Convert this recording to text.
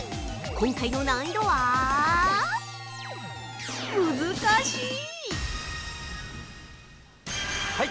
今回の難易度はむずかしい！